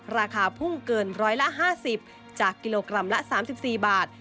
ราคาภูมิเกิน๑๕๐บาทจากกิโลกรัม๓๔บาท